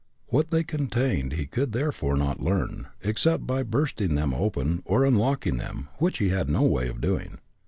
What they contained he could therefore not learn, except by bursting them open or unlocking them, which he had no way of doing.